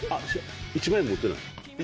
１万円持ってない？